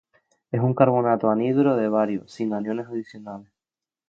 Es un carbonato anhidro de bario, sin aniones adicionales.